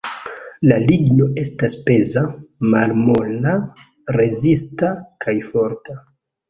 La ligno estas peza, malmola, rezista kaj forta.